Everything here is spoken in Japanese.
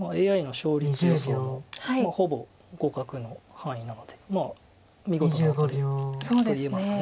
ＡＩの勝率予想もほぼ互角の範囲なので見事なワカレと言えますか。